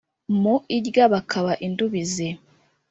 mu irya bakaba indubizi!